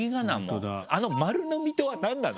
あの丸の「みと」は何なの？